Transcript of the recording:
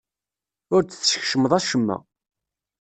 Ur d-teskecmeḍ acemma.